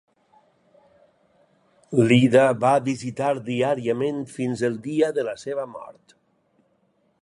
L'Ida va visitar diàriament fins el dia de la seva mort.